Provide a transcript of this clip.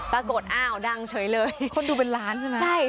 ปรากฏอ้าวดังเฉยเลยคนดูเป็นล้านใช่ไหม